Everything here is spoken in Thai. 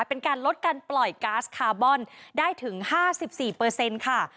เป็นการลดการปล่อยก๊าซคาร์บอนได้ถึง๕๔ค่ะ